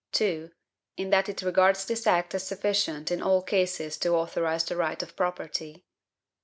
2. In that it regards this act as sufficient in all cases to authorize the right of property.